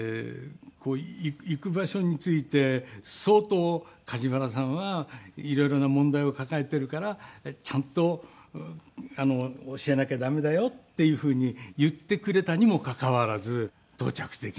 行く場所について相当「梶原さんは色々な問題を抱えているからちゃんと教えなきゃ駄目だよ」っていうふうに言ってくれたにもかかわらず到着できなかったっていう。